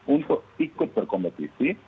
untuk ikut berkompetisi